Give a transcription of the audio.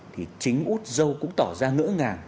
thì chính úc râu cũng tỏ ra ngỡ ngàng